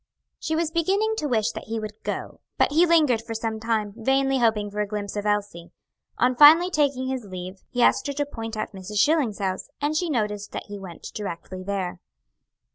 She was beginning to wish that he would go, but he lingered for some time, vainly hoping for a glimpse of Elsie. On finally taking his leave, he asked her to point out Mrs. Schilling's house, and she noticed that he went directly there.